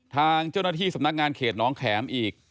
ทางเจ้าหน้าที่สำนักงานเขตน้องแข็มอีก